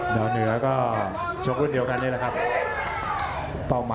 ดาวเนือก็